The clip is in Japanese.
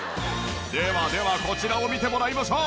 ではではこちらを見てもらいましょう。